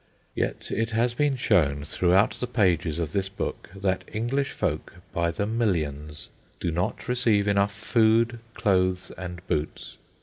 Yet it has been shown throughout the pages of this book that English folk by the millions do not receive enough food, clothes, and boots.